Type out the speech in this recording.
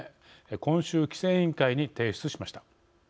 今週、規制委員会に提出しました。